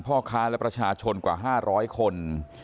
พ่อค้าและประชาชนกว่า๕๐๐คน